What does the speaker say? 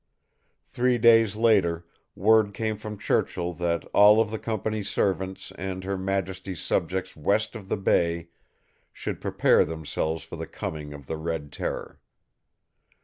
Three days later, word came from Churchill that all of the company's servants and her majesty's subjects west of the bay should prepare themselves for the coming of the Red Terror.